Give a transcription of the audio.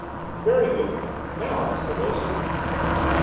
"Very good. Now, Mr. Wilson?"